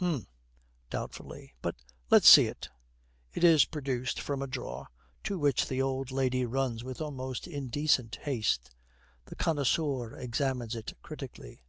'Hum,' doubtfully; 'but let's see it.' It is produced from a drawer, to which the old lady runs with almost indecent haste. The connoisseur examines it critically.